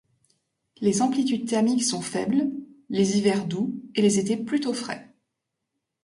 Les amplitudes thermiques sont faibles, les hivers doux et les étés plutôt frais.